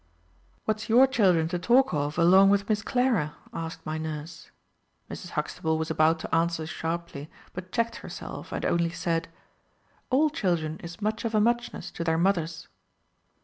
"What's your children to talk of along with Miss Clara?" asked my nurse. Mrs. Huxtable was about to answer sharply, but checked herself, and only said: "All children is much of a muchness to their mothers."